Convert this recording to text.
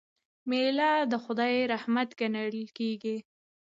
میلمه د خدای رحمت ګڼل کیږي.